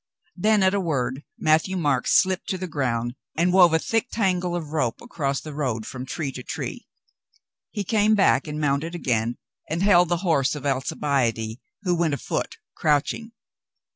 Then at a word Matthieu Marc slipped to the ground and wove a thick tangle of rope across the road from tree to tree. He came back and mounted again, and held the horse of Alcibiade, who went afoot, crouching.